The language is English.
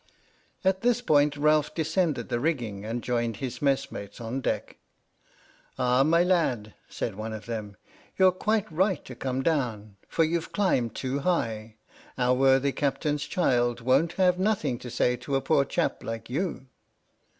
At this point Ralph descended the rigging and joined his messmates on deck. "Ah, my lad," said one of them, "you're quite right to come down — for you've climbed too high. Our worthy Captain's child won't have nothing to say to a poor chap like you."